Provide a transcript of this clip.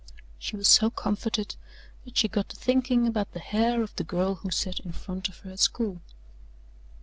She was so comforted that she got to thinking about the hair of the girl who sat in front of her at school.